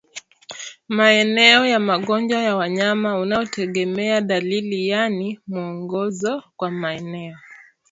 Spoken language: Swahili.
maeneo ya Magonjwa ya Wanyama unaotegemea Dalili yaani mwongozo kwa maeneo